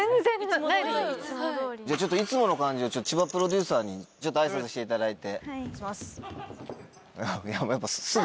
じゃいつもの感じを千葉プロデューサーに挨拶していただいて。